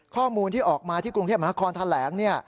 ข้อมูลที่ออกมาที่กรุงเทพมหานครแถลง